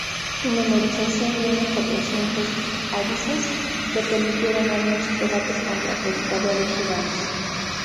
Su memorización de unos cuatrocientos "hadices" le permitió ganar muchos debates contra predicadores rivales.